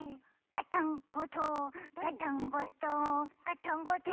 ガタンゴトーンガタンゴトーンガタンゴトーン。